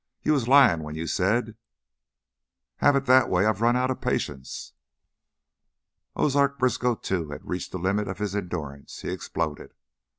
You was lyin' when you said " "Have it that way. I've run out of patience." Ozark Briskow, too, had reached the limit of his endurance; he exploded.